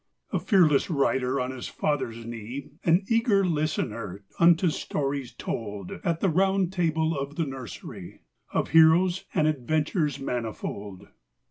A fearless rider on his father's knee, An eager listener unto stories told At the Round Table of the nursery, Of heroes and adventures manifold.